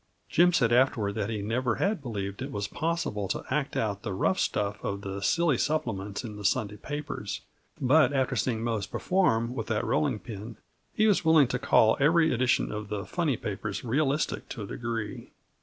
Jim said afterward that he never had believed it possible to act out the rough stuff of the silly supplements in the Sunday papers, but after seeing Mose perform with that rolling pin, he was willing to call every edition of the "funny papers" realistic to a degree.